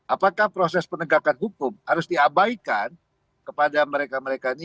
apakah proses penegakan hukum harus diabaikan kepada mereka mereka ini